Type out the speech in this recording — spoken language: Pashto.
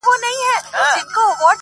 زه له فطرته عاشقي کومه ښه کومه .